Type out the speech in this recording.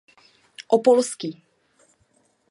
Opolský.